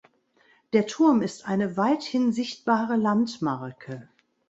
Der Turm ist eine weithin sichtbare Landmarke.